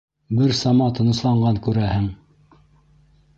Бер сама тынысланған, күрәһең.